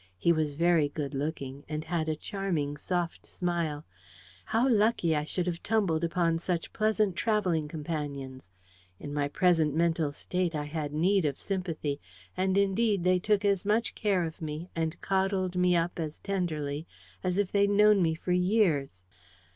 He was very good looking, and had a charming soft smile. How lucky I should have tumbled upon such pleasant travelling companions! In my present mental state, I had need of sympathy. And, indeed, they took as much care of me, and coddled me up as tenderly, as if they'd known me for years.